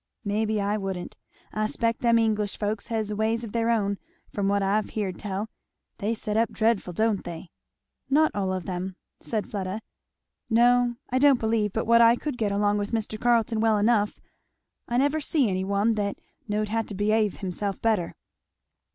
"Maybe I wouldn't. I s'pect them English folks has ways of their own, from what I've heerd tell; they set up dreadful, don't they?" "Not all of them," said Fleda. "No, I don't believe but what I could get along with Mr. Carleton well enough I never see any one that knowed how to behave himself better."